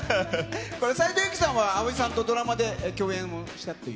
斉藤由貴さんは葵さんとドラマで共演をしたっていう。